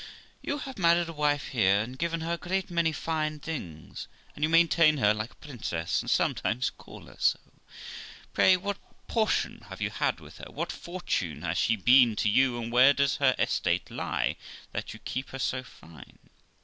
You have married a wife here, and given her a great many fine things, and you maintain her like a princess, and sometimes call her so. Pray what portion have you had with her? what fortune has she been to you? and where does her estate lie, that you keep her so fine?